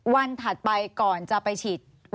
ถัดไปก่อนจะไปฉีด